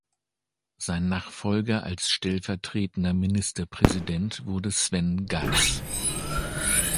Sein Nachfolger als stellvertretender Ministerpräsident wurde Sven Gatz.